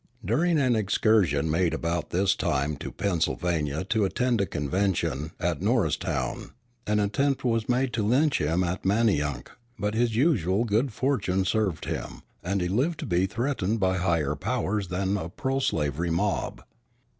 During an excursion made about this time to Pennsylvania to attend a convention at Norristown, an attempt was made to lynch him at Manayunk; but his usual good fortune served him, and he lived to be threatened by higher powers than a pro slavery mob.